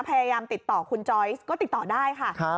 พยายามติดต่อคุณจอยซก็ติดต่อได้ค่ะ